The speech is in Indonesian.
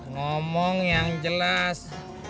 ngomong yang jelas